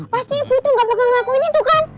pasti ibu tuh gak bakal ngelakuin itu kan